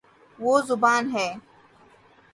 وہ زبا ن ہے